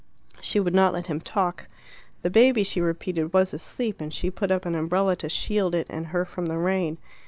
She would not let him talk. The baby, she repeated, was asleep, and she put up an umbrella to shield it and her from the rain.